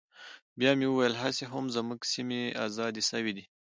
بيا مې وويل هسې هم زموږ سيمې ازادې سوي دي.